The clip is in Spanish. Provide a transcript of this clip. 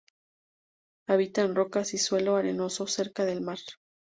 Habita en rocas y suelo arenoso, cerca del mar.